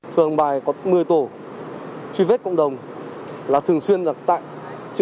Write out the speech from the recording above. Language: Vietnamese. phường hàng bài có một mươi tổ truy vết cộng đồng là thường xuyên ứng trực tại các điểm chốt